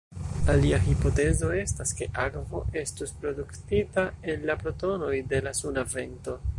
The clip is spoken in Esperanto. Alia hipotezo estas, ke akvo estus produktita el la protonoj de la suna vento.